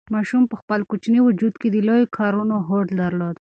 ماشوم په خپل کوچني وجود کې د لویو کارونو هوډ درلود.